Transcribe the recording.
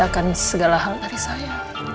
akan segala hal dari saya